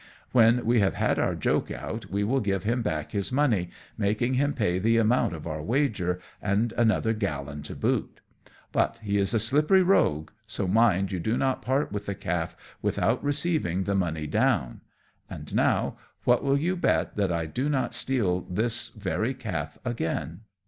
When we have had our joke out, we will give him back his money, making him pay the amount of our wager, and another gallon to boot. But he is a slippery rogue, so mind you do not part with the calf without receiving the money down. And now, what will you bet that I do not steal this very calf again?"